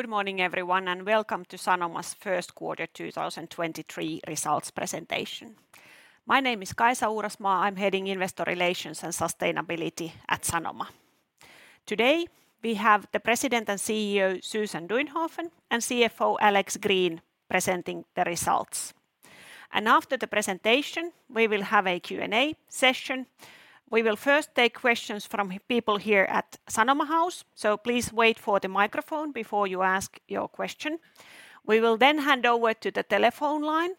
Good morning everyone, welcome to Sanoma's first quarter 2023 results presentation. My name is Kaisa Uurasmaa. I'm heading Investor Relations and Sustainability at Sanoma. Today, we have the President and CEO, Susan Duinhoven, and CFO, Alex Green, presenting the results. After the presentation, we will have a Q&A session. We will first take questions from people here at Sanoma House, so please wait for the microphone before you ask your question. We will hand over to the telephone line,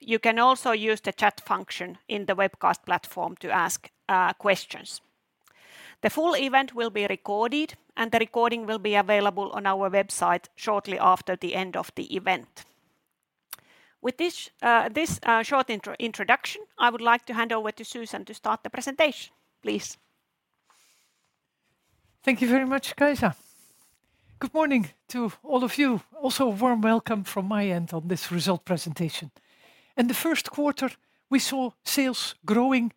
you can also use the chat function in the webcast platform to ask questions. The full event will be recorded, and the recording will be available on our website shortly after the end of the event. With this short introduction, I would like to hand over to Susan to start the presentation. Please. Thank you very much, Kaisa. Good morning to all of you. Also warm welcome from my end on this result presentation. In the first quarter, we saw sales growing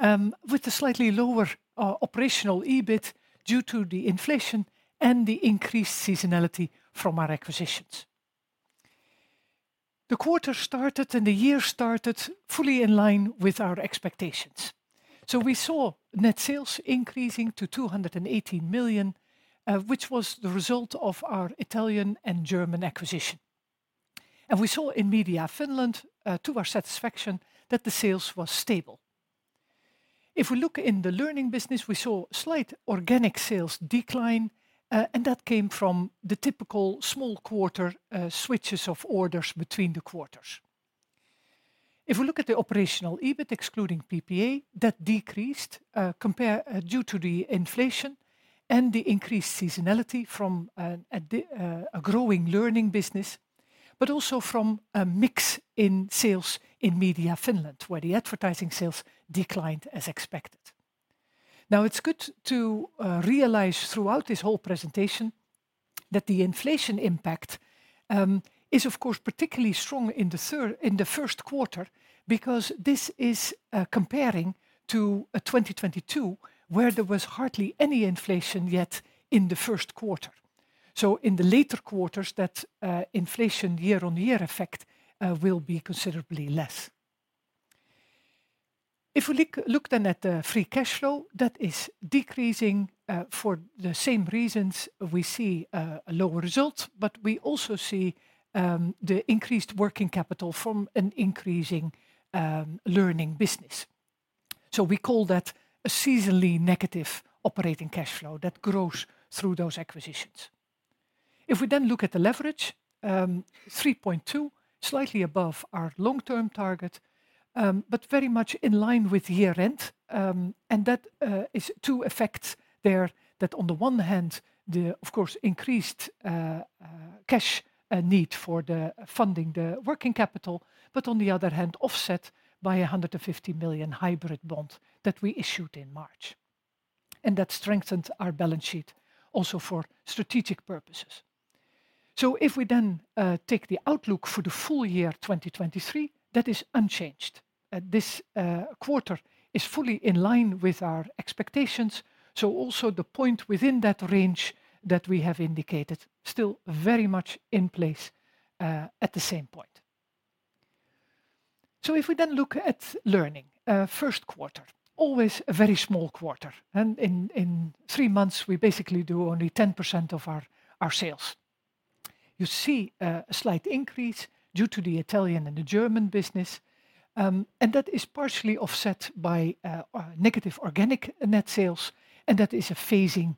with a slightly lower operational EBIT due to the inflation and the increased seasonality from our acquisitions. The quarter started and the year started fully in line with our expectations. We saw net sales increasing to 280 million, which was the result of our Italian and German acquisition. We saw in Media Finland, to our satisfaction, that the sales was stable. If we look in the learning business, we saw slight organic sales decline, and that came from the typical small quarter, switches of orders between the quarters. If we look at the operational EBIT excluding PPA, that decreased due to the inflation and the increased seasonality from a growing learning business, but also from a mix in sales in Media Finland, where the advertising sales declined as expected. It's good to realize throughout this whole presentation that the inflation impact is of course particularly strong in the first quarter, because this is comparing to 2022, where there was hardly any inflation yet in the first quarter. In the later quarters, that inflation year-on-year effect will be considerably less. If we look then at free cash flow, that is decreasing for the same reasons we see a lower result, but we also see the increased working capital from an increasing learning business. We call that a seasonally negative operating cash flow that grows through those acquisitions. If we then look at the leverage, 3.2, slightly above our long-term target, but very much in line with year end, and that is two effects there that on the one hand, the, of course, increased cash need for the funding the working capital, but on the other hand, offset by a 150 million hybrid bond that we issued in March. That strengthens our balance sheet also for strategic purposes. If we then take the outlook for the full year 2023, that is unchanged. This quarter is fully in line with our expectations, so also the point within that range that we have indicated still very much in place at the same point. If we then look at learning, first quarter, always a very small quarter, in three months, we basically do only 10% of our sales. You see a slight increase due to the Italian and the German business, that is partially offset by negative organic net sales, that is a phasing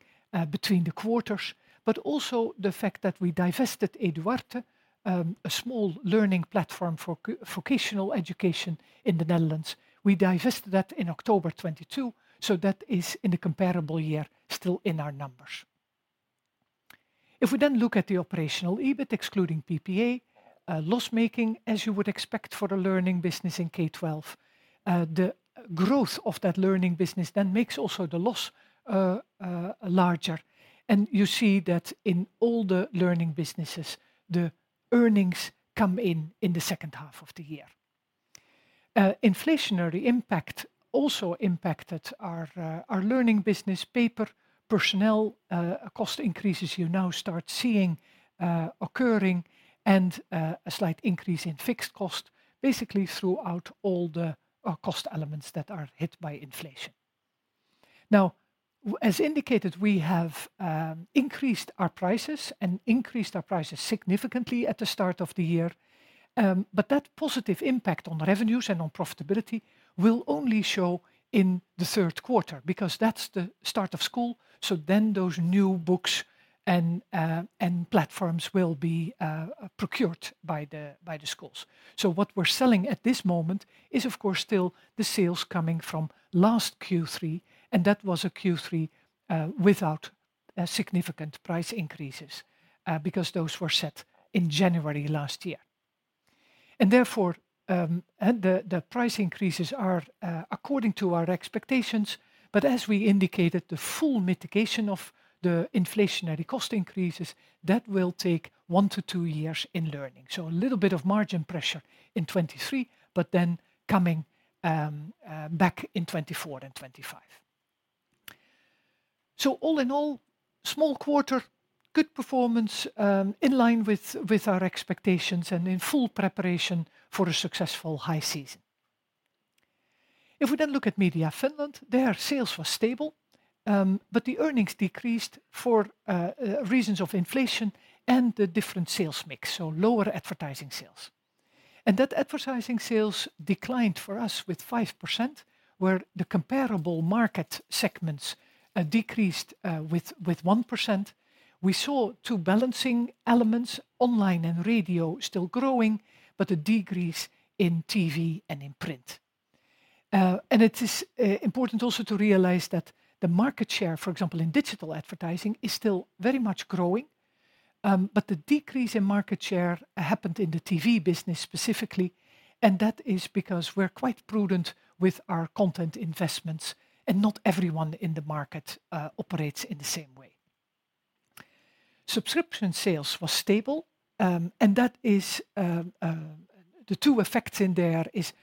between the quarters, but also the fact that we divested Eduarte, a small learning platform for vocational education in the Netherlands. We divested that in October 2022, that is in the comparable year still in our numbers. If we then look at the operational EBIT excluding PPA, loss-making, as you would expect for a learning business in K12. The growth of that learning business then makes also the loss larger. You see that in all the learning businesses, the earnings come in in the second half of the year. Inflationary impact also impacted our learning business, paper, personnel, cost increases you now start seeing occurring and a slight increase in fixed cost, basically throughout all the cost elements that are hit by inflation. Now, as indicated, we have increased our prices and increased our prices significantly at the start of the year, but that positive impact on revenues and on profitability will only show in the third quarter because that's the start of school, so then those new books and platforms will be procured by the schools. What we're selling at this moment is of course still the sales coming from last Q3, and that was a Q3 without significant price increases, because those were set in January last year. Therefore, the price increases are according to our expectations, but as we indicated, the full mitigation of the inflationary cost increases, that will take one to two years in learning. A little bit of margin pressure in 2023, but coming back in 2024 and 2025. All in all, small quarter, good performance, in line with our expectations and in full preparation for a successful high season. If we look at Media Finland, their sales was stable, but the earnings decreased for reasons of inflation and the different sales mix, so lower advertising sales. That advertising sales declined for us with 5%, where the comparable market segments decreased with 1%. We saw two balancing elements, online and radio still growing, but a decrease in TV and in print. It is important also to realize that the market share, for example, in digital advertising, is still very much growing, but the decrease in market share happened in the TV business specifically, and that is because we're quite prudent with our content investments, and not everyone in the market operates in the same way. Subscription sales was stable, and that is the two effects in there is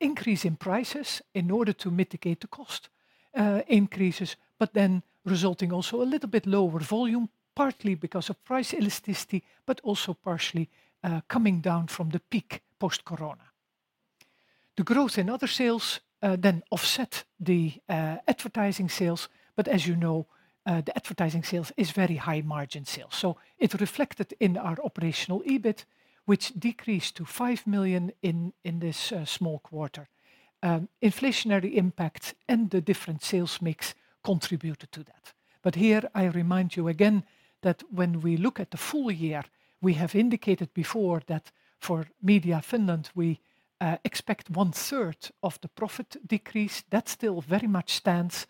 increase in prices in order to mitigate the cost increases, resulting also a little bit lower volume, partly because of price elasticity, but also partially coming down from the peak post-corona. The growth in other sales offset the advertising sales, as you know, the advertising sales is very high margin sales. It reflected in our operational EBIT, which decreased to 5 million in this small quarter. Inflationary impact and the different sales mix contributed to that. Here I remind you again that when we look at the full year, we have indicated before that for Media Finland, we expect one-third of the profit decrease. That still very much stands,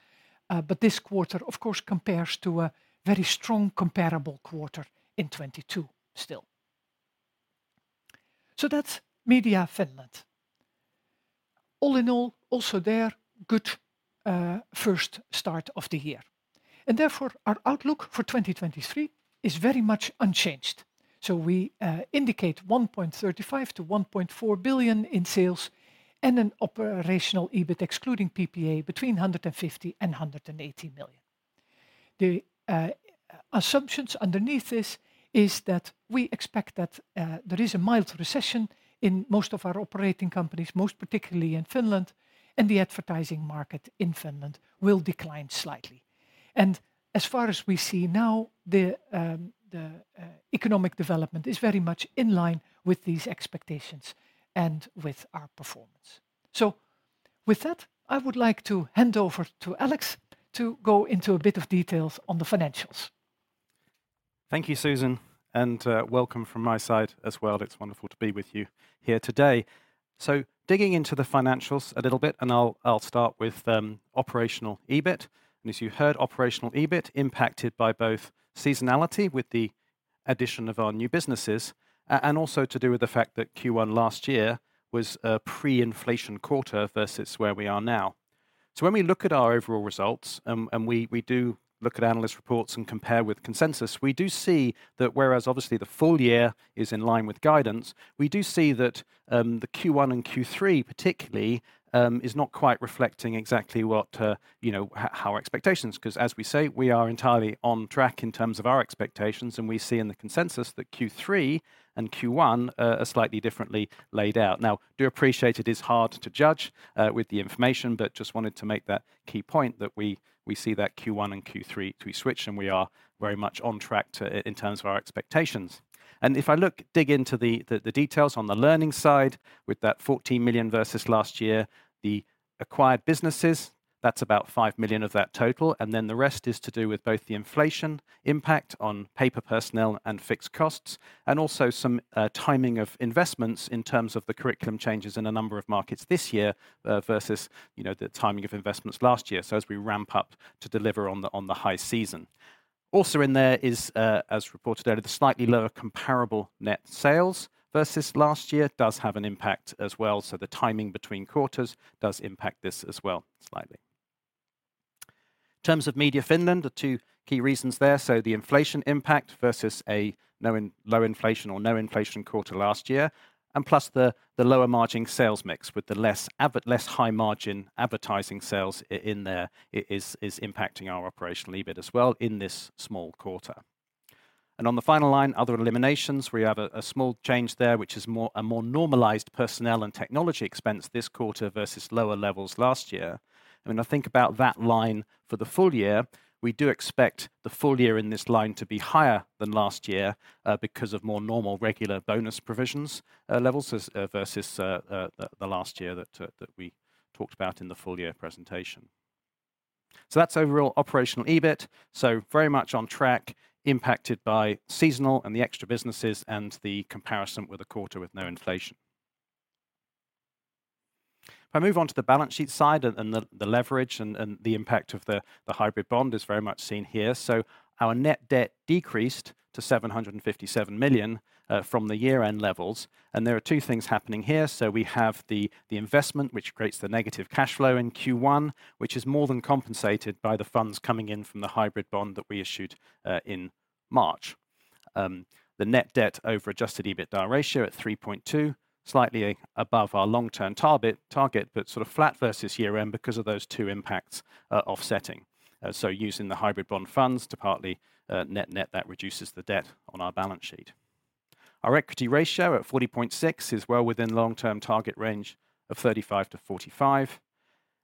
but this quarter of course compares to a very strong comparable quarter in 2022 still. That's Media Finland. All in all, also there, good, first start of the year. Therefore, our outlook for 2023 is very much unchanged. We indicate 1.35 billion-1.4 billion in sales and an operational EBIT excluding PPA between 150 million and 180 million. The assumptions underneath this is that we expect that there is a mild recession in most of our operating companies, most particularly in Finland, and the advertising market in Finland will decline slightly. As far as we see now, the economic development is very much in line with these expectations and with our performance. With that, I would like to hand over to Alex to go into a bit of details on the financials. Thank you, Susan, and welcome from my side as well. It's wonderful to be with you here today. Digging into the financials a little bit, and I'll start with operational EBIT. As you heard, operational EBIT impacted by both seasonality with the addition of our new businesses and also to do with the fact that Q1 last year was a pre-inflation quarter versus where we are now. When we look at our overall results, and we do look at analyst reports and compare with consensus, we do see that whereas obviously the full year is in line with guidance, we do see that the Q1 and Q3 particularly, is not quite reflecting exactly what, you know, how our expectations. 'Cause as we say, we are entirely on track in terms of our expectations, and we see in the consensus that Q3 and Q1 are slightly differently laid out. Now, do appreciate it is hard to judge with the information, but just wanted to make that key point that we see that Q1 and Q3 to be switched, and we are very much on track to in terms of our expectations. If I look, dig into the details on the learning side with that 14 million versus last year, the acquired businesses, that's about 5 million of that total, and then the rest is to do with both the inflation impact on paper personnel and fixed costs and also some timing of investments in terms of the curriculum changes in a number of markets this year versus, you know, the timing of investments last year. As we ramp up to deliver on the, on the high season. Also in there is, as reported earlier, the slightly lower comparable net sales versus last year does have an impact as well. The timing between quarters does impact this as well, slightly. In terms of Media Finland, the two key reasons there, the inflation impact versus a low inflation or no inflation quarter last year, plus the lower margin sales mix with the less high margin advertising sales in there is impacting our operational EBIT as well in this small quarter. On the final line, other eliminations, we have a small change there, which is a more normalized personnel and technology expense this quarter versus lower levels last year. When I think about that line for the full year, we do expect the full year in this line to be higher than last year, because of more normal regular bonus provisions levels as versus the last year that we talked about in the full year presentation. That's overall operational EBIT, very much on track, impacted by seasonal and the extra businesses and the comparison with a quarter with no inflation. If I move on to the balance sheet side and the leverage and the impact of the hybrid bond is very much seen here. Our net debt decreased to 757 million from the year-end levels, and there are two things happening here. We have the investment, which creates the negative cash flow in Q1, which is more than compensated by the funds coming in from the hybrid bond that we issued in March. The net debt over adjusted EBITDA ratio at 3.2, slightly above our long-term target, but sort of flat versus year-end because of those two impacts offsetting. Using the hybrid bond funds to partly net that reduces the debt on our balance sheet. Our equity ratio at 40.6 is well within long-term target range of 35-45.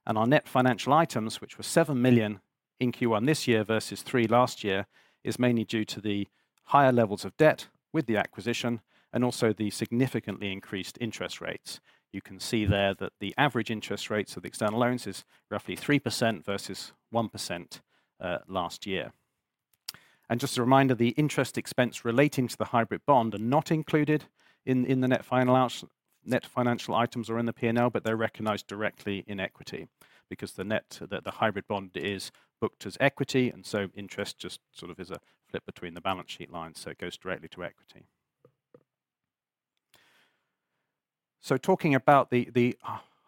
Our net financial items, which were 7 million in Q1 this year versus 3 million last year, is mainly due to the higher levels of debt with the acquisition and also the significantly increased interest rates. You can see there that the average interest rates of the external loans is roughly 3% versus 1% last year. Just a reminder, the interest expense relating to the hybrid bond are not included in the net financial items are in the P&L, but they're recognized directly in equity because the net, the hybrid bond is booked as equity, and so interest just sort of is a flip between the balance sheet line, so it goes directly to equity. Talking about the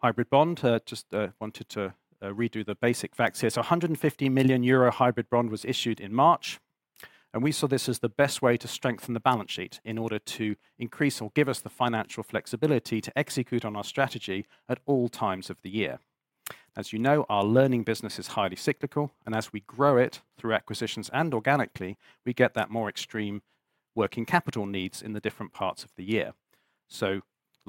hybrid bond, just wanted to redo the basic facts here. A 150 million euro hybrid bond was issued in March, and we saw this as the best way to strengthen the balance sheet in order to increase or give us the financial flexibility to execute on our strategy at all times of the year. As you know, our learning business is highly cyclical, and as we grow it through acquisitions and organically, we get that more extreme working capital needs in the different parts of the year.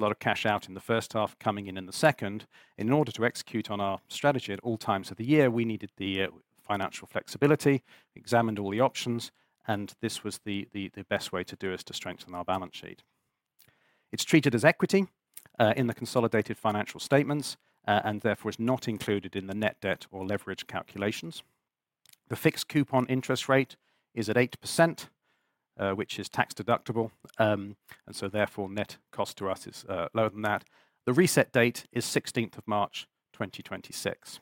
A lot of cash out in the first half, coming in in the second. In order to execute on our strategy at all times of the year, we needed the financial flexibility, examined all the options, and this was the best way to do is to strengthen our balance sheet. It's treated as equity in the consolidated financial statements, and therefore is not included in the net debt or leverage calculations. The fixed coupon interest rate is at 8%, which is tax-deductible, and so therefore net cost to us is lower than that. The reset date is 16th of March, 2026.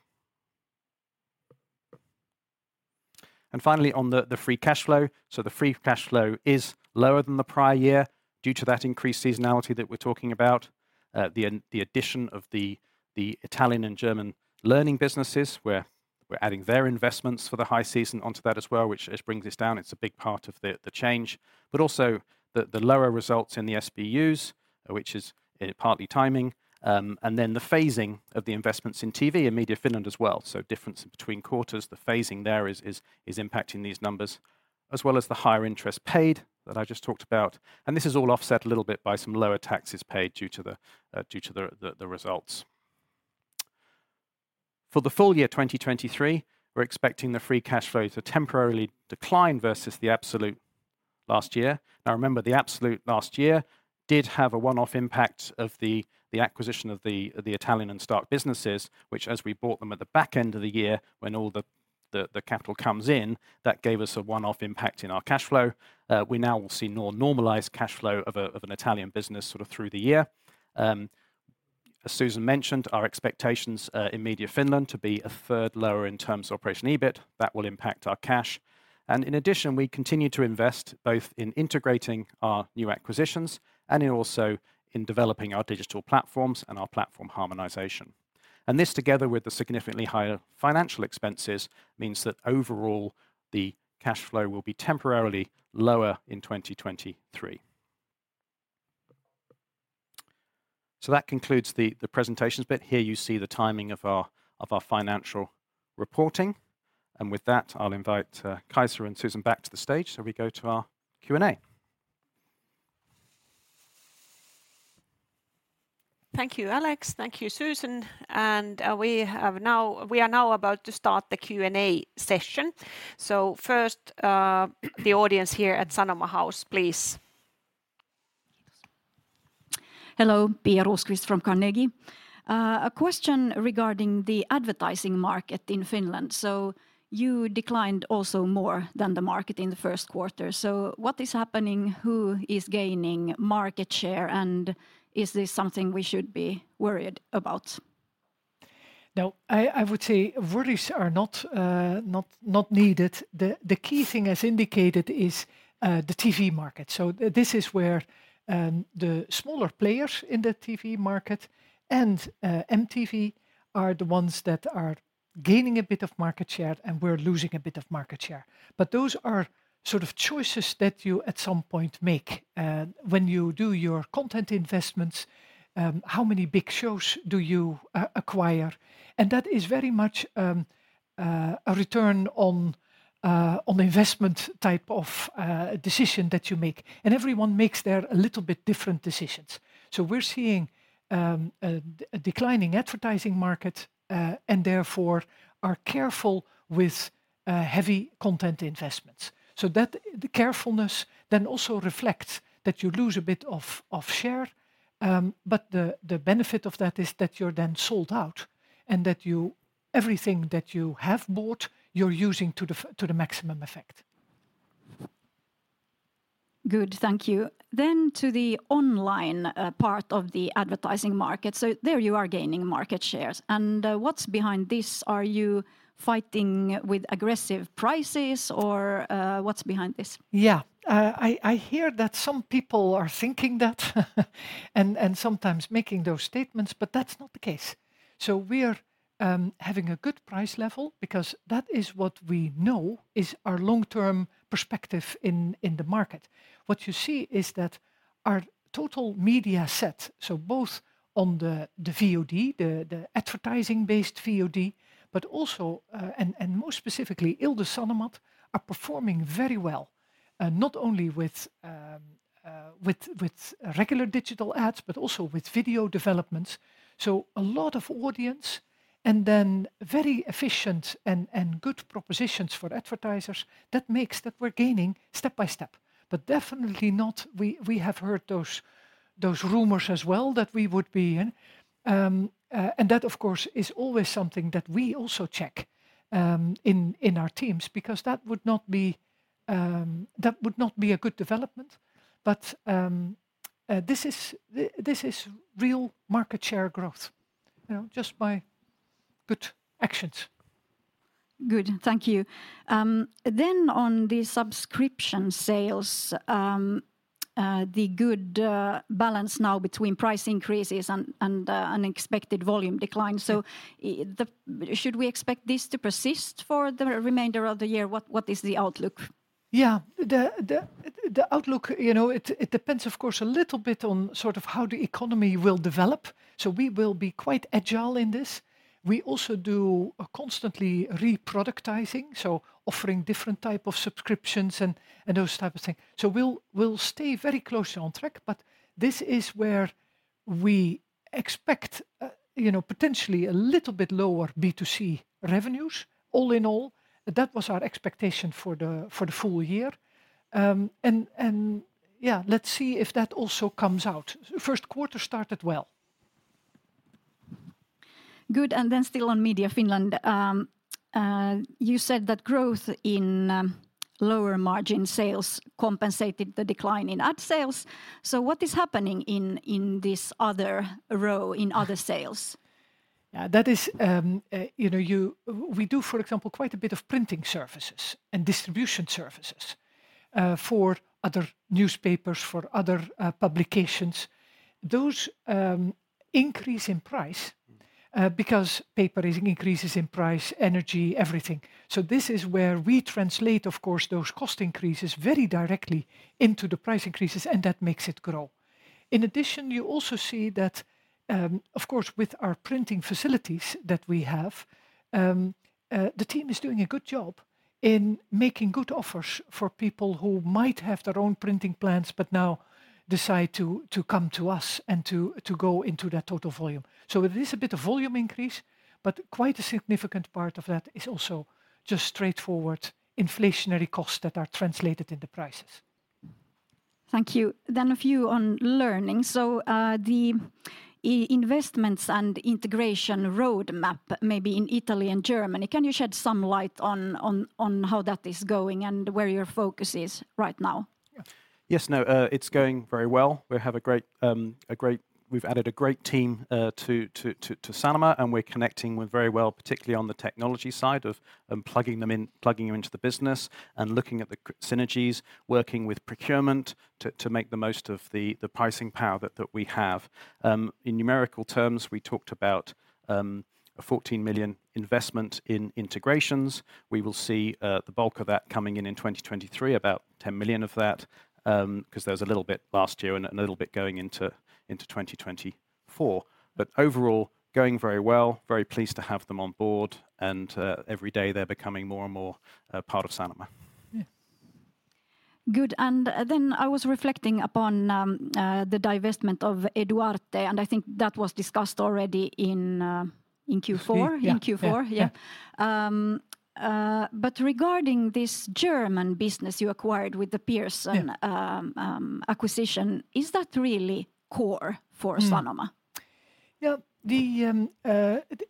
Finally on the free cash flow. The free cash flow is lower than the prior year due to that increased seasonality that we're talking about. The addition of the Italian and German learning businesses where we're adding their investments for the high season onto that as well, which just brings this down. It's a big part of the change. Also the lower results in the SBUs, which is partly timing, and then the phasing of the investments in TV and Media Finland as well. Difference between quarters, the phasing there is impacting these numbers, as well as the higher interest paid that I just talked about. This is all offset a little bit by some lower taxes paid due to the results. For the full year 2023, we're expecting the free cash flow to temporarily decline versus the absolute last year. Remember, the absolute last year did have a one-off impact of the acquisition of the Italian and Stark businesses, which as we bought them at the back end of the year when all the capital comes in, that gave us a one-off impact in our cash flow. We now will see normalized cash flow of an Italian business sort of through the year. As Susan mentioned, our expectations in Media Finland to be a third lower in terms of operation EBIT, that will impact our cash. In addition, we continue to invest both in integrating our new acquisitions and in also in developing our digital platforms and our platform harmonization. This together with the significantly higher financial expenses means that overall the cash flow will be temporarily lower in 2023. That concludes the presentations bit. Here you see the timing of our financial reporting. With that, I'll invite Kaisa and Susan back to the stage, so we go to our Q&A. Thank you, Alex. Thank you, Susan. We are now about to start the Q&A session. First, the audience here at Sanoma House, please. Hello. Pia Rosqvist-Heinsalmi from Carnegie. A question regarding the advertising market in Finland. You declined also more than the market in the first quarter. What is happening? Who is gaining market share? Is this something we should be worried about? I would say worries are not needed. The key thing as indicated is the TV market. This is where the smaller players in the TV market and MTV are the ones that are gaining a bit of market share and we're losing a bit of market share. Those are sort of choices that you at some point make when you do your content investments, how many big shows do you acquire? That is very much a return on investment type of decision that you make. Everyone makes their a little bit different decisions. We're seeing a declining advertising market and therefore are careful with heavy content investments. The carefulness then also reflects that you lose a bit of share, but the benefit of that is that you're then sold out and that everything that you have bought, you're using to the maximum effect. Good. Thank you. To the online part of the advertising market. There you are gaining market shares. What's behind this? Are you fighting with aggressive prices or what's behind this? Yeah. I hear that some people are thinking that and sometimes making those statements, but that's not the case. We arehHaving a good price level because that is what we know is our long-term perspective in the market. What you see is that our total media set, so both on the VOD, the advertising-based VOD, but also, and most specifically, Ilta-Sanomat are performing very well. Not only with regular digital ads but also with video developments. A lot of audience and then very efficient and good propositions for advertisers that makes that we're gaining step by step. Definitely not. We have heard those rumors as well that we would be in. That, of course, is always something that we also check in our teams because that would not be that would not be a good development. This is real market share growth, you know, just by good actions. Good. Thank you. On the subscription sales, the good balance now between price increases and unexpected volume decline. Yeah. Should we expect this to persist for the remainder of the year? What, what is the outlook? The outlook, you know, it depends of course a little bit on sort of how the economy will develop. We will be quite agile in this. We also do a constantly re-productizing, offering different type of subscriptions and those type of thing. We'll stay very closely on track, this is where we expect, you know, potentially a little bit lower B2C revenues. All in all, that was our expectation for the full year. Yeah, let's see if that also comes out. First quarter started well. Good. Still on Media Finland, you said that growth in lower margin sales compensated the decline in ad sales. What is happening in this other row in other sales? Yeah. That is, you know, We do, for example, quite a bit of printing services and distribution services, for other newspapers, for other publications. Those increase in price because paper is increases in price, energy, everything. This is where we translate, of course, those cost increases very directly into the price increases and that makes it grow. In addition, you also see that, of course with our printing facilities that we have, the team is doing a good job in making good offers for people who might have their own printing plants but now decide to come to us and to go into that total volume. It is a bit of volume increase, but quite a significant part of that is also just straightforward inflationary costs that are translated in the prices. Thank you. A few on Learning. The investments and integration roadmap maybe in Italy and Germany, can you shed some light on how that is going and where your focus is right now? Yes. No, it's going very well. We've added a great team to Sanoma, and we're connecting with very well, particularly on the technology side of unplugging them in, plugging them into the business and looking at the synergies, working with procurement to make the most of the pricing power that we have. In numerical terms, we talked about a 14 million investment in integrations. We will see the bulk of that coming in in 2023, about 10 million of that, 'cause there's a little bit last year and a little bit going into 2024. Overall, going very well, very pleased to have them on board, and every day they're becoming more and more part of Sanoma. Yes. Good. I was reflecting upon, the divestment of Eduarte, and I think that was discussed already in Q4. In Q4. In Q4. Yeah, yeah. Yeah. Regarding this German business you acquired with the Pearson- Yeah... acquisition, is that really core for Sanoma? Yeah.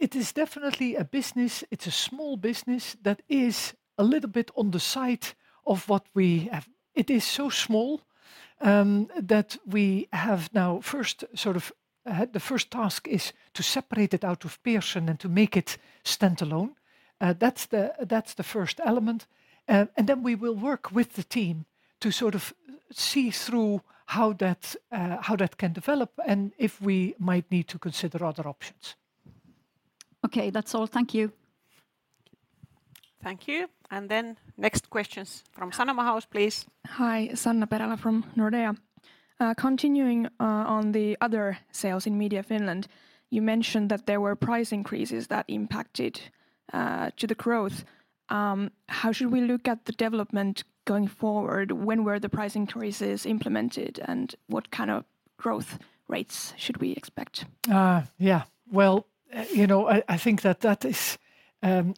It is definitely a business. It's a small business that is a little bit on the side of what we have. It is so small, that we have now first sort of, the first task is to separate it out of Pearson and to make it standalone. That's the first element. We will work with the team to sort of see through how that, how that can develop and if we might need to consider other options. Okay, that's all. Thank you. Thank you. Next question's from Sanoma House, please. Hi. Sanna Perälä from Nordea. Continuing on the other sales in Media Finland, you mentioned that there were price increases that impacted to the growth. How should we look at the development going forward? When were the price increases implemented, and what kind of growth rates should we expect? Yeah. Well, you know, I think that that is,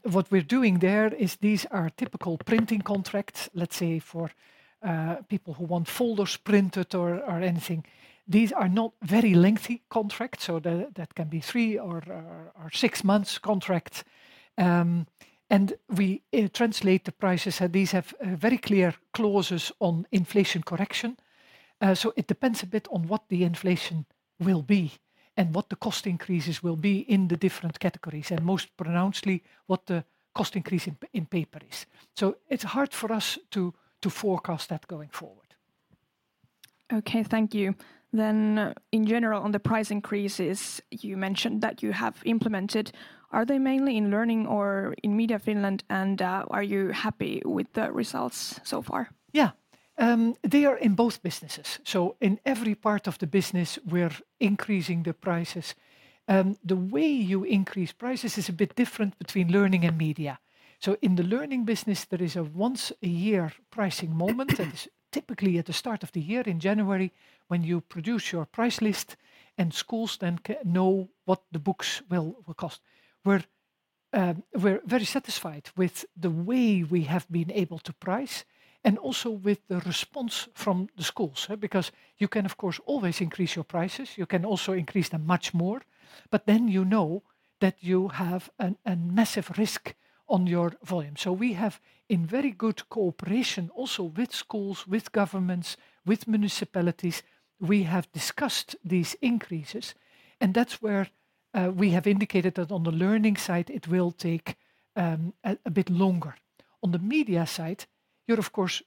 what we're doing there is these are typical printing contracts, let's say for, people who want folders printed or anything. These are not very lengthy contracts, so that can be three or six months contract. And we, translate the prices, and these have, very clear clauses on inflation correction. It depends a bit on what the inflation will be and what the cost increases will be in the different categories, and most pronouncedly, what the cost increase in paper is. It's hard for us to forecast that going forward. Okay, thank you. In general, on the price increases you mentioned that you have implemented, are they mainly in Learning or in Media Finland, and are you happy with the results so far? Yeah, they are in both businesses. In every part of the business, we're increasing the prices. The way you increase prices is a bit different between Learning and Media. In the Learning business, there is a once-a-year pricing moment that is typically at the start of the year in January, when you produce your price list and schools then know what the books will cost. We're very satisfied with the way we have been able to price, and also with the response from the schools? You can, of course, always increase your prices. You can also increase them much more, but then you know that you have a massive risk on your volume. We have, in very good cooperation also with schools, with governments, with municipalities, we have discussed these increases, and that's where we have indicated that on the Learning side, it will take a bit longer. On the Media side, you're of course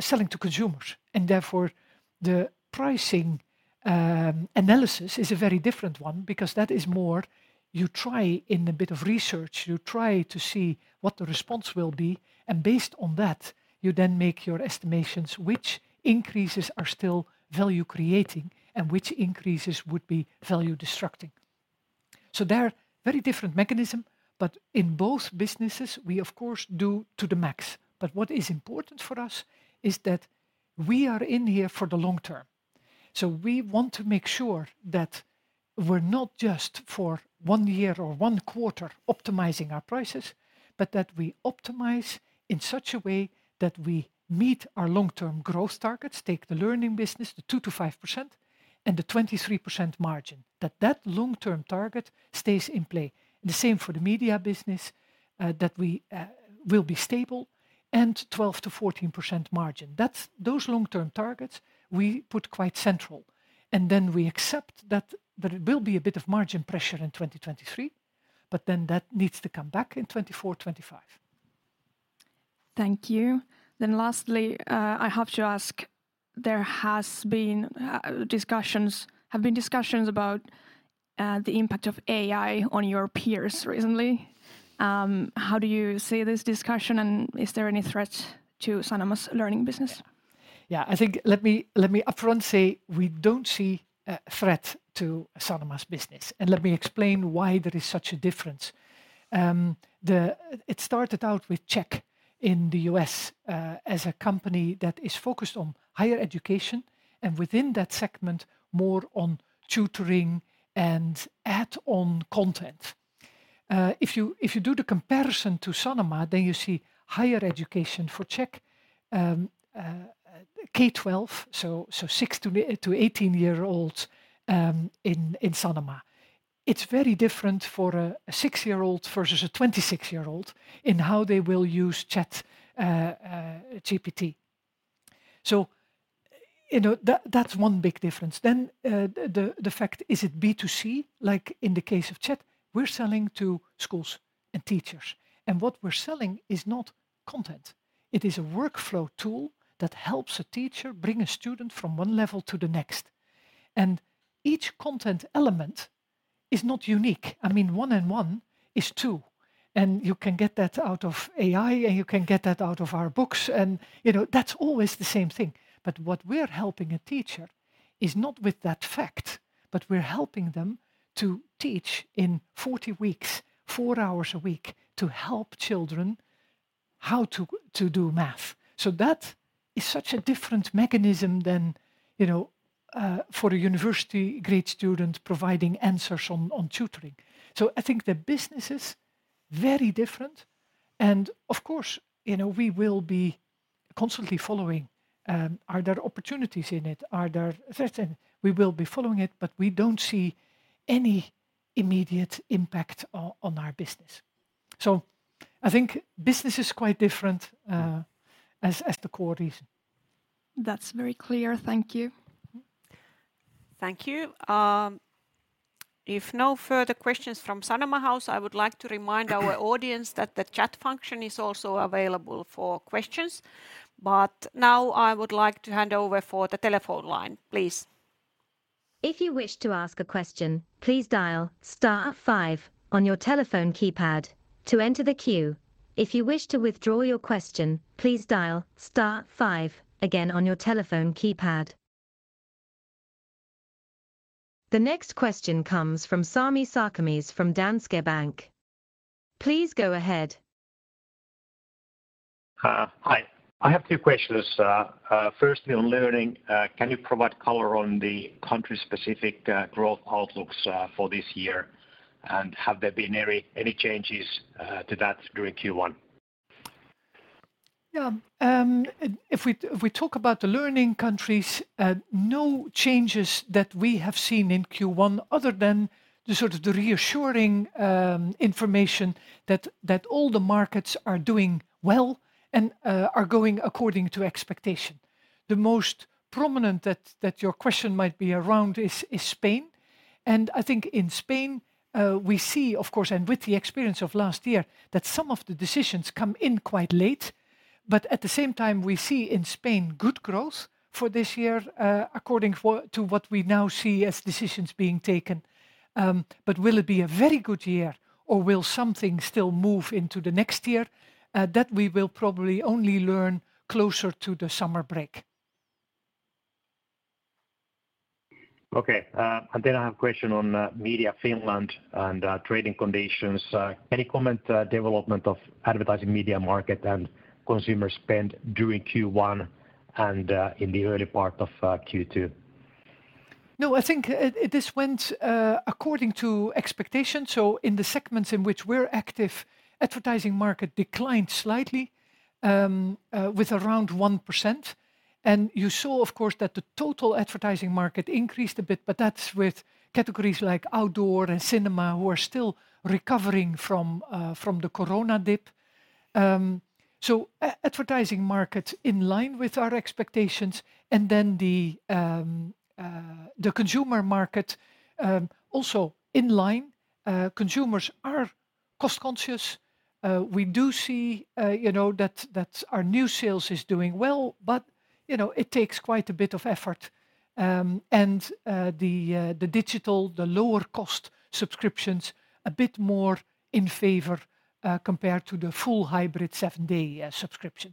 selling to consumers, and therefore the pricing analysis is a very different one because that is more you try, in a bit of research, you try to see what the response will be, and based on that, you then make your estimations which increases are still value-creating and which increases would be value-destructing. They're very different mechanism, but in both businesses, we of course do to the max. What is important for us is that we are in here for the long term, we want to make sure that we're not just for one year or one quarter optimizing our prices, but that we optimize in such a way that we meet our long-term growth targets. Take the Learning business, the 2%-5% and the 23% margin, that long-term target stays in play. The same for the Media business, that we will be stable and 12%-14% margin. Those long-term targets, we put quite central. We accept that there will be a bit of margin pressure in 2023. That needs to come back in 2024, 2025. Thank you. Lastly, I have to ask, there have been discussions about the impact of AI on your peers recently. How do you see this discussion, and is there any threat to Sanoma's Learning business? Yeah. Yeah, I think, let me upfront say we don't see a threat to Sanoma's business. Let me explain why there is such a difference. It started out with Chegg in the U.S. as a company that is focused on higher education and within that segment, more on tutoring and add-on content. If you do the comparison to Sanoma, you see higher education for Chegg, K12, so six to 18-year-olds in Sanoma. It's very different for a six year-old versus a 26-year-old in how they will use ChatGPT. You know, that's one big difference. The fact is it B2C, like in the case of Chat? We're selling to schools and teachers, and what we're selling is not content. It is a workflow tool that helps a teacher bring a student from one level to the next. Each content element is not unique. I mean, one and one is two, and you can get that out of AI, and you can get that out of our books, and, you know, that's always the same thing. What we're helping a teacher is not with that fact, but we're helping them to teach in 40 weeks, four hours a week, to help children how to do math. That is such a different mechanism than, you know, for a university grad student providing answers on tutoring. I think the business is very different. Of course, you know, we will be constantly following, are there opportunities in it? Are there threats? We will be following it, but we don't see any immediate impact on our business. I think business is quite different, as the core reason. That's very clear. Thank you. Mm-hmm. Thank you. If no further questions from Sanoma House, I would like to remind our audience that the chat function is also available for questions. I would like to hand over for the telephone line, please. If you wish to ask a question, please dial star five on your telephone keypad to enter the queue. If you wish to withdraw your question, please dial star five again on your telephone keypad. The next question comes from Sami Sarkamies from Danske Bank. Please go ahead. Hi. I have two questions. Firstly on Learning, can you provide color on the country-specific growth outlooks for this year? Have there been any changes to that during Q1? Yeah. If we talk about the Learning countries, no changes that we have seen in Q1 other than the sort of the reassuring information that all the markets are doing well and are going according to expectation. The most prominent that your question might be around is Spain. I think in Spain, we see, of course, and with the experience of last year, that some of the decisions come in quite late. At the same time, we see in Spain good growth for this year, according to what we now see as decisions being taken. Will it be a very good year, or will something still move into the next year? That we will probably only learn closer to the summer break. Okay. Then I have a question on Media Finland and trading conditions. Any comment development of advertising media market and consumer spend during Q1 and in the early part of Q2? No, I think, this went according to expectation. In the segments in which we're active, advertising market declined slightly, with around 1%. You saw of course that the total advertising market increased a bit, but that's with categories like outdoor and cinema who are still recovering from the Corona dip. Advertising markets in line with our expectations and then the consumer market, also in line. Consumers are cost conscious. We do see, you know, that our new sales is doing well, but, you know, it takes quite a bit of effort. The digital, the lower cost subscriptions a bit more in favor, compared to the full hybrid seven day subscription.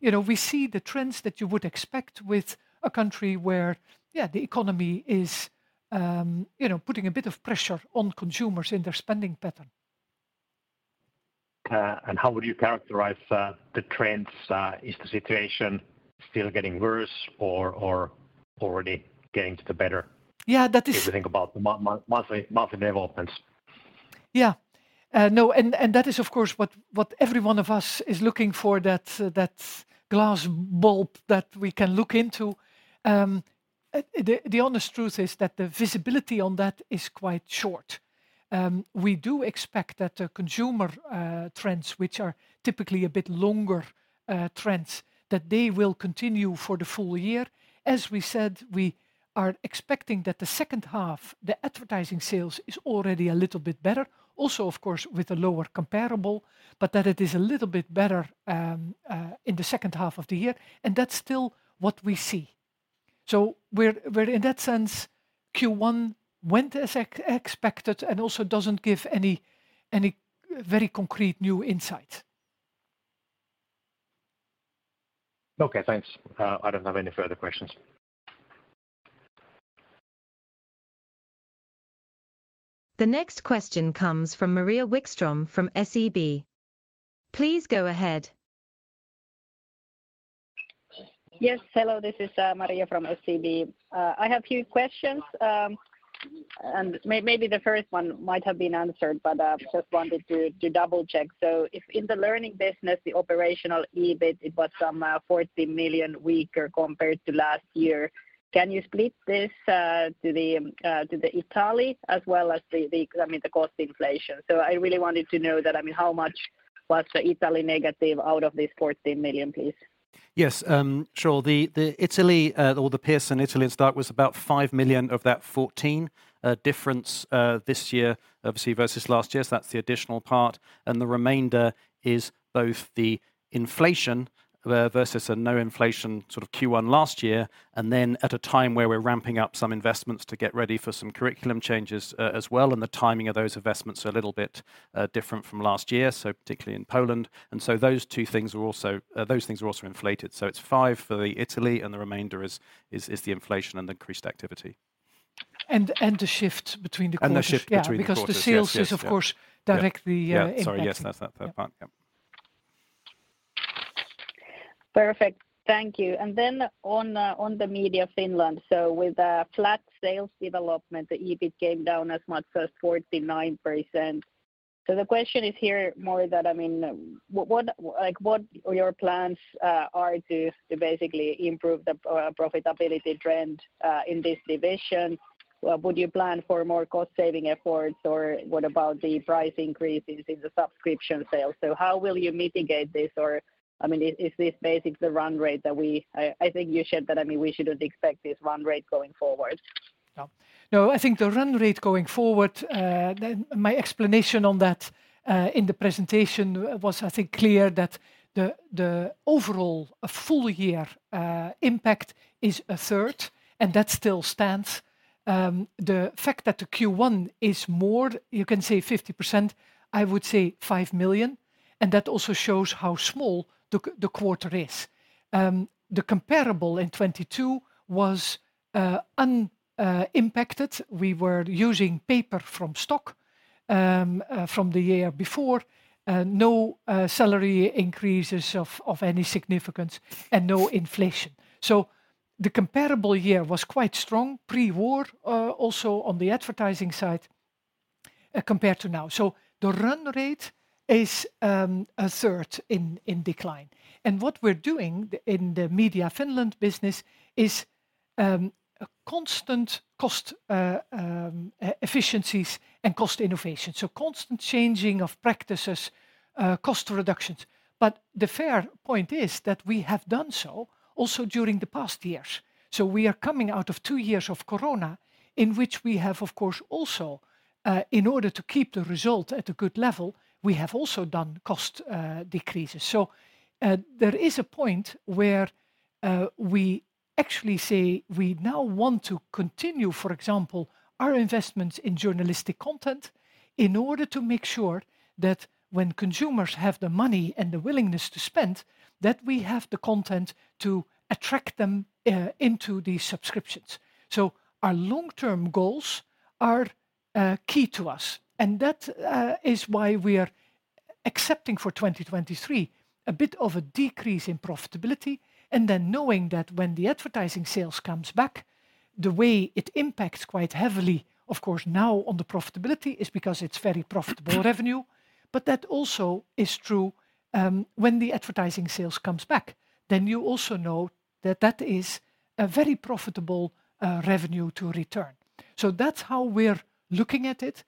You know, we see the trends that you would expect with a country where, yeah, the economy is, you know, putting a bit of pressure on consumers in their spending pattern. How would you characterize the trends? Is the situation still getting worse or already getting to the better? Yeah. That. If you think about monthly developments. Yeah. No, that is of course, what every one of us is looking for, that glass bulb that we can look into. The honest truth is that the visibility on that is quite short. We do expect that the consumer trends, which are typically a bit longer trends, that they will continue for the full year. As we said, we are expecting that the second half, the advertising sales is already a little bit better. Also, of course, with a lower comparable, but that it is a little bit better in the second half of the year, and that's still what we see. We're in that sense, Q1 went as expected and also doesn't give any very concrete new insights. Okay, thanks. I don't have any further questions. The next question comes from Maria Wikström from SEB. Please go ahead. Yes. Hello, this is Maria from SEB. I have few questions. Maybe the first one might have been answered, but just wanted to double-check. If in the learning business, the operational EBIT, it was some 14 million weaker compared to last year. Can you split this to the Italy as well as the, I mean, the cost inflation? I really wanted to know that, I mean, how much was the Italy negative out of this 14 million, please? Yes, sure. The Italy, or the Pearson Italy, Stark was about 5 million of that 14 difference this year, obviously, versus last year. That's the additional part. The remainder is both the inflation versus a no inflation sort of Q1 last year, and then at a time where we're ramping up some investments to get ready for some curriculum changes as well. The timing of those investments are a little bit different from last year, so particularly in Poland. Those things were also inflated. It's 5 for the Italy, and the remainder is the inflation and increased activity. The shift between the quarters. The shift between the quarters. Yeah. Yes, yes. Yeah. The sales is of course directly impacting. Yeah. Sorry, yes, that's that third part. Yeah. Perfect. Thank you. Then on the Media Finland, with a flat sales development, the EBIT came down as much as 49%. The question is here more that, I mean, what, like, what your plans are to basically improve the profitability trend in this division? Would you plan for more cost saving efforts, or what about the price increases in the subscription sales? How will you mitigate this? I mean, is this basically the run rate that we. I think you said that, I mean, we shouldn't expect this run rate going forward. No. I think the run rate going forward, then my explanation on that in the presentation was, I think, clear that the overall full year impact is a third, and that still stands. The fact that the Q1 is more, you can say 50%, I would say 5 million, and that also shows how small the quarter is. The comparable in 2022 was impacted. We were using paper from stock from the year before, no salary increases of any significance and no inflation. The comparable year was quite strong pre-war, also on the advertising side, compared to now. The run rate is a third in decline. What we're doing in the Media Finland business is a constant cost efficiencies and cost innovation. Constant changing of practices, cost reductions. The fair point is that we have done so also during the past years. We are coming out of two years of Corona, in which we have, of course, also, in order to keep the result at a good level, we have also done cost decreases. There is a point where we actually say we now want to continue, for example, our investments in journalistic content in order to make sure that when consumers have the money and the willingness to spend, that we have the content to attract them into these subscriptions. Our long-term goals are key to us, and that is why we are accepting for 2023 a bit of a decrease in profitability. Knowing that when the advertising sales comes back, the way it impacts quite heavily, of course now on the profitability is because it's very profitable revenue. That also is true when the advertising sales comes back. You also know that that is a very profitable revenue to return. That's how we're looking at it.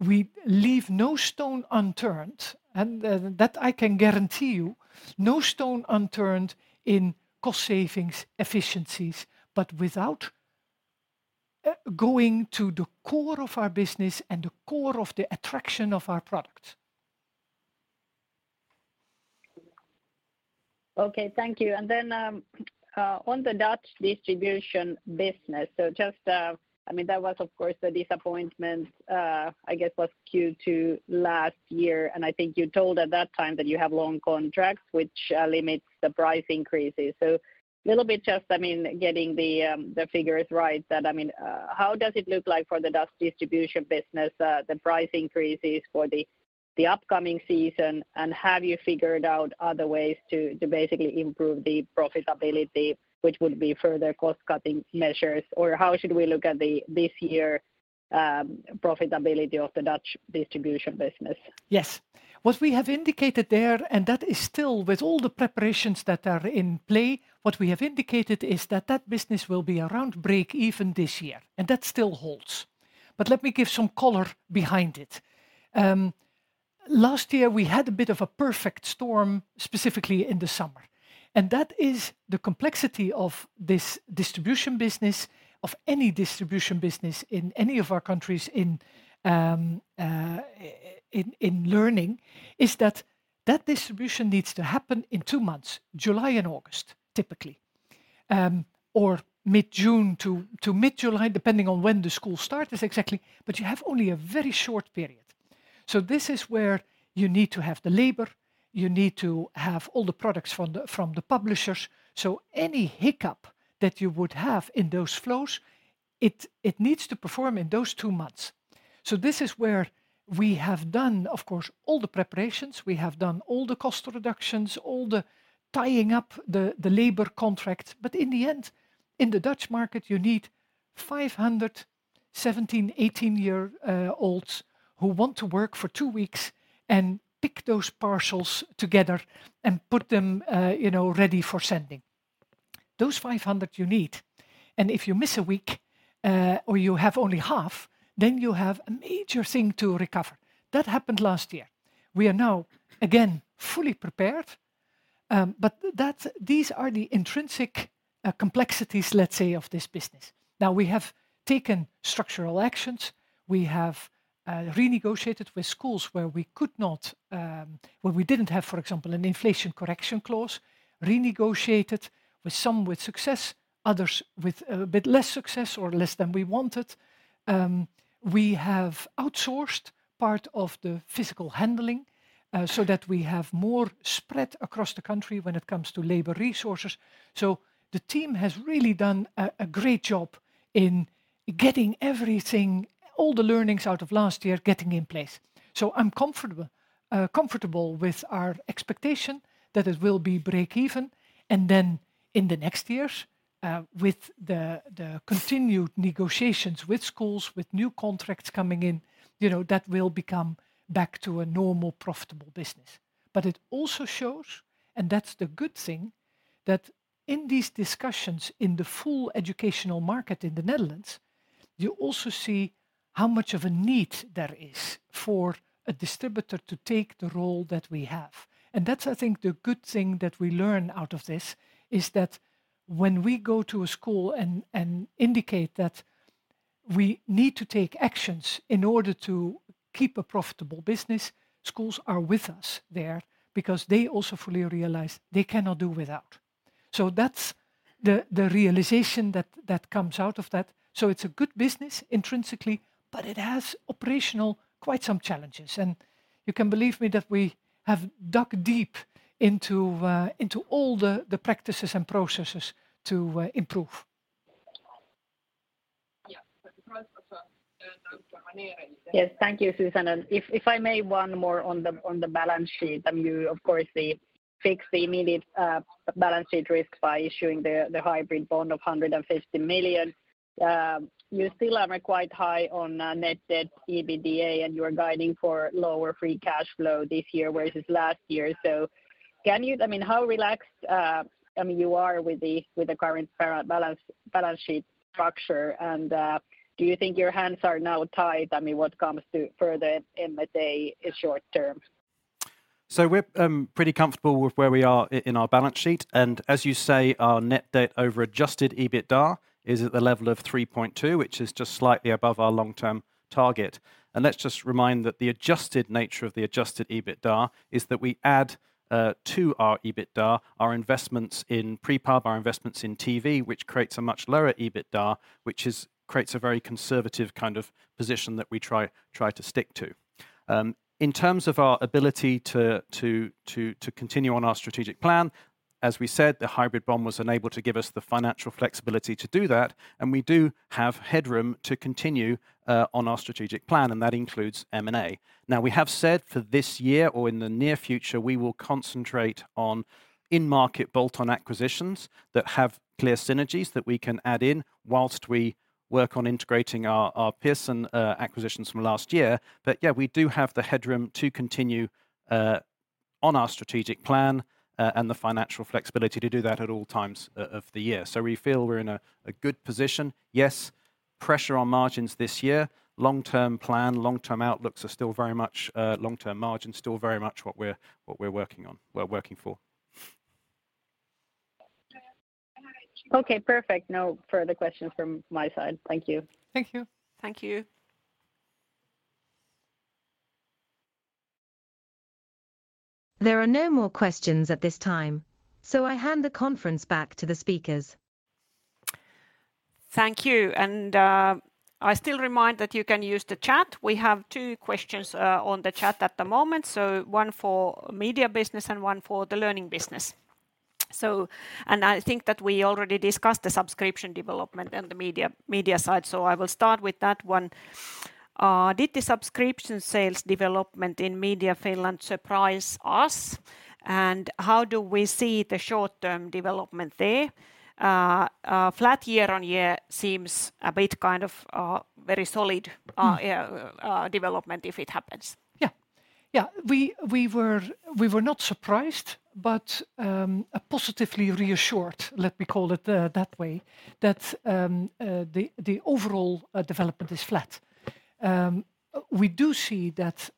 We leave no stone unturned, and that I can guarantee you. No stone unturned in cost savings, efficiencies, but without going to the core of our business and the core of the attraction of our product. Okay. Thank you. On the Dutch distribution business. Just, I mean, that was, of course, the disappointment, I guess, was Q2 last year. I think you told at that time that you have long contracts which, limits the price increases. Little bit just, I mean, getting the figures right that, I mean, how does it look like for the Dutch distribution business, the price increases for the upcoming season? Have you figured out other ways to basically improve the profitability, which would be further cost-cutting measures? How should we look at this year profitability of the Dutch distribution business? Yes. What we have indicated there, and that is still with all the preparations that are in play, what we have indicated is that that business will be around breakeven this year, and that still holds. Let me give some color behind it. Last year we had a bit of a perfect storm, specifically in the summer. That is the complexity of this distribution business, of any distribution business in any of our countries in learning, is that that distribution needs to happen in two months, July and August, typically. Mid-June to mid-July, depending on when the school start is exactly. You have only a very short period. This is where you need to have the labor, you need to have all the products from the publishers. Any hiccup that you would have in those flows, it needs to perform in those two months. This is where we have done, of course, all the preparations. We have done all the cost reductions, all the tying up the labor contracts. In the end, in the Dutch market, you need 500 17, 18-year-olds who want to work for two weeks and pick those parcels together and put them, you know, ready for sending. Those 500 you need. If you miss a week, or you have only half, then you have a major thing to recover. That happened last year. We are now again fully prepared. These are the intrinsic complexities, let's say, of this business. Now we have taken structural actions. We have renegotiated with schools where we could not, where we didn't have, for example, an inflation correction clause. Renegotiated with some with success, others with a bit less success or less than we wanted. We have outsourced part of the physical handling, so that we have more spread across the country when it comes to labor resources. The team has really done a great job in getting everything, all the learnings out of last year, getting in place. I'm comfortable with our expectation that it will be breakeven. In the next years, with the continued negotiations with schools, with new contracts coming in, you know, that will become back to a normal, profitable business. It also shows, that's the good thing, that in these discussions in the full educational market in the Netherlands, you also see how much of a need there is for a distributor to take the role that we have. That's, I think, the good thing that we learn out of this, is that when we go to a school and indicate that we need to take actions in order to keep a profitable business, schools are with us there because they also fully realize they cannot do without. That's the realization that comes out of that. It's a good business intrinsically, but it has operational quite some challenges. You can believe me that we have dug deep into all the practices and processes to improve. Yes. Thank you, Susan. If I may, one more on the balance sheet. I mean, you of course fix the immediate balance sheet risk by issuing the hybrid bond of 150 million. You still are quite high on net debt, EBITDA, and you are guiding for lower free cash flow this year versus last year. Can you I mean, how relaxed I mean, you are with the current balance sheet structure? Do you think your hands are now tied? I mean, what comes to further in, let's say, short term? We're pretty comfortable with where we are in our balance sheet. As you say, our net debt over adjusted EBITDA is at the level of 3.2, which is just slightly above our long-term target. Let's just remind that the adjusted nature of the adjusted EBITDA is that we add to our EBITDA our investments in Prepub, our investments in TV, which creates a much lower EBITDA, which creates a very conservative kind of position that we try to stick to. In terms of our ability to continue on our strategic plan, as we said, the hybrid bond was unable to give us the financial flexibility to do that, and we do have headroom to continue on our strategic plan, and that includes M&A. We have said for this year or in the near future, we will concentrate on in-market bolt-on acquisitions that have clear synergies that we can add in while we work on integrating our Pearson acquisitions from last year. We do have the headroom to continue on our strategic plan and the financial flexibility to do that at all times of the year. We feel we're in a good position. Pressure on margins this year. Long-term plan, long-term outlooks are still very much long-term margins still very much what we're working on, we're working for. Okay, perfect. No further questions from my side. Thank you. Thank you. Thank you. There are no more questions at this time, so I hand the conference back to the speakers. Thank you. I still remind that you can use the chat. We have two questions on the chat at the moment. One for media business and one for the learning business. I think that we already discussed the subscription development and the media side, I will start with that one. Did the subscription sales development in Media Finland surprise us, and how do we see the short-term development there? Flat year-on-year seems a bit, kind of, very solid development if it happens. Yeah. Yeah. We were not surprised, but positively reassured, let me call it that way, that the overall development is flat. We do see that,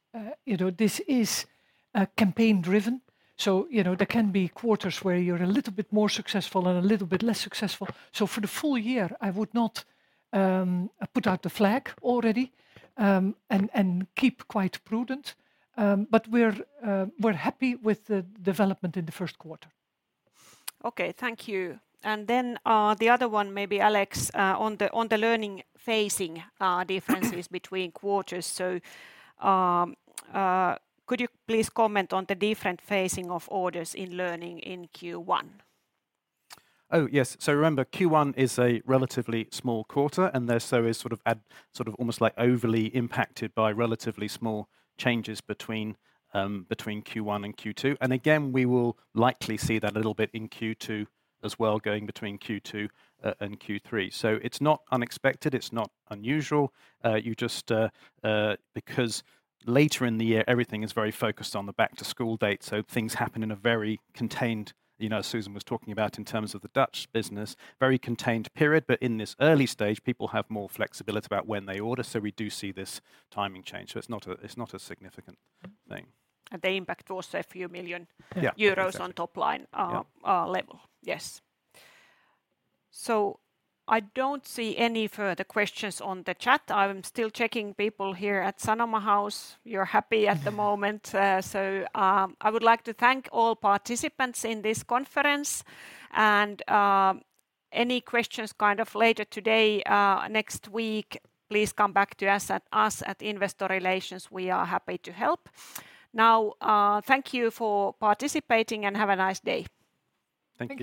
you know, this is campaign-driven, so, you know, there can be quarters where you're a little bit more successful and a little bit less successful. For the full year, I would not put out the flag already and keep quite prudent. We're happy with the development in the first quarter. Okay, thank you. The other one, maybe Alex, on the learning phasing, differences between quarters, could you please comment on the different phasing of orders in learning in Q1? Oh, yes. Remember, Q1 is a relatively small quarter, and there's sort of almost like overly impacted by relatively small changes between Q1 and Q2. Again, we will likely see that a little bit in Q2 as well, going between Q2 and Q3. It's not unexpected. It's not unusual. Because later in the year, everything is very focused on the back-to-school date, so things happen in a very contained, you know, as Susan was talking about in terms of the Dutch business, very contained period. But in this early stage, people have more flexibility about when they order, so we do see this timing change. It's not a significant thing. The impact was a few million. Yeah... euros on top line. Yeah level. Yes. I don't see any further questions on the chat. I'm still checking people here at Sanoma House. You're happy at the moment. I would like to thank all participants in this conference. Any questions kind of later today, next week, please come back to us at Investor Relations. We are happy to help. Now, thank you for participating, and have a nice day. Thank you.